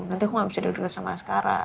nanti aku gak bisa deket deket sama askara